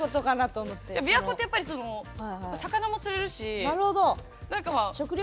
琵琶湖ってやっぱり魚も釣れるし。